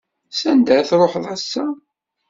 S anda ara truḥeḍ ass-a?